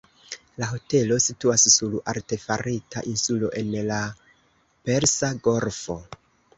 La hotelo situas sur artefarita insulo en la Persa Golfo.